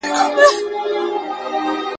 که تاسو خواړه ونه خورئ، څه پېښېږي؟